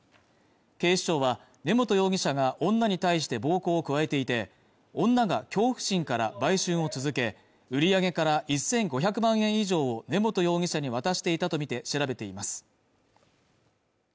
警視庁は根本容疑者が女に対して暴行を加えていて女が恐怖心から売春を続け売り上げから１５００万円以上根本容疑者に渡していたとみて調べています